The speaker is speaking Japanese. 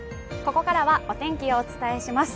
ここからはお天気をお伝えします。